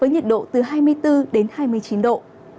nhiệt độ từ hai mươi bốn đến hai mươi chín độ